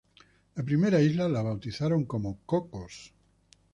La primera isla la bautizaron como Cocos.